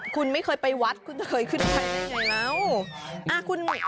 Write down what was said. คุณไม่เคยไปวัดคุณจะเคยขึ้นวัดได้ยังไงแล้ว